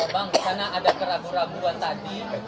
bang karena ada keraguan keraguan tadi